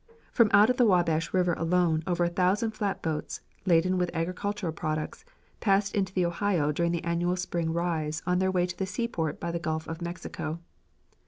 From out of the Wabash River alone over a thousand flatboats, laden with agricultural products, passed into the Ohio during the annual spring rise on their way to the seaport by the Gulf of Mexico.